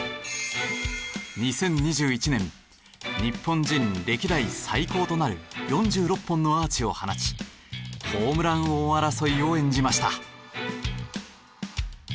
２０２１年日本人歴代最高となる４６本のアーチを放ちホームラン王争いを演じました。